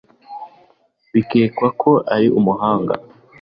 Bikekwa ko ari umuhanga.